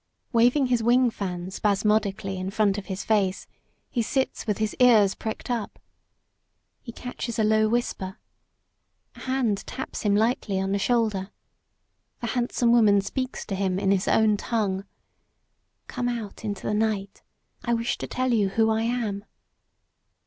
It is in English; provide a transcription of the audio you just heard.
Waving his wing fan spasmodically in front of his face, he sits with his ears pricked up. He catches a low whisper. A hand taps him lightly on the shoulder. The handsome woman speaks to him in his own tongue. "Come out into the night. I wish to tell you who I am."